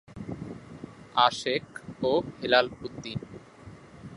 আশেক ও হেলাল উদ্দিন।